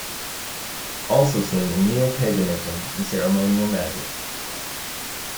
Also seen in Neopaganism and Ceremonial Magic.